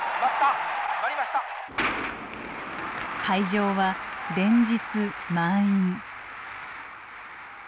会場は連日満員。